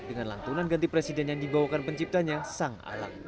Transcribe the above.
dengan lantunan ganti presiden yang dibawakan penciptanya sang alam